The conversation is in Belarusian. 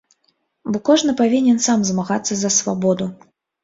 Бо кожны павінен сам змагацца за свабоду.